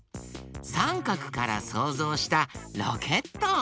さんかくからそうぞうしたロケット。